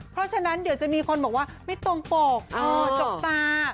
เพราะฉะนั้นเดี๋ยวจะมีคนบอกว่าไม่ตรงปกจกตา